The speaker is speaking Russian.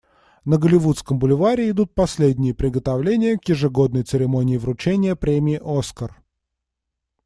На Голливудском бульваре идут последние приготовления к ежегодной церемонии вручения премии «Оскар».